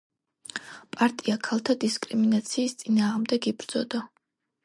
პარტია ქალთა დისკრიმინაციის წინააღმდეგ იბრძოდა.